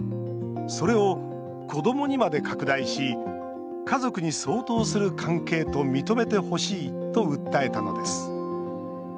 それを、子どもにまで拡大し家族に相当する関係と認めてほしいと訴えたのです。